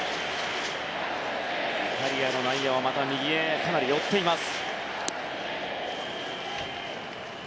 イタリアの外野は右へかなり寄っています。